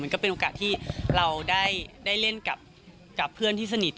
ก็เป็นโอกาสที่เราได้เล่นกับเพื่อนที่สนิท